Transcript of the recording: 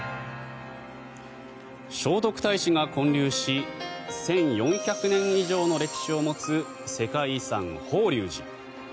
聖徳太子が建立し１４００年以上の歴史を持つ世界遺産・法隆寺。